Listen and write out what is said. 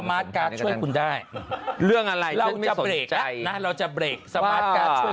มันได้เรื่องอะไรขนาดนี้